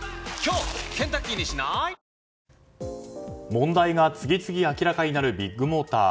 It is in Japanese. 問題が次々明らかになるビッグモーター。